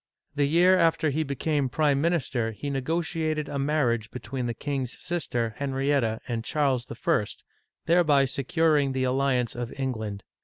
The year after he became prime minister he negotiated a .marriage be tween the king's sister Henrietta and Charles I., tliereby securing the alliance of England.